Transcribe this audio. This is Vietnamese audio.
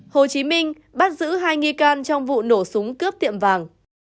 hồ chí minh bắt giữ hai nghi can trong vụ nổ súng cướp tiệm vàng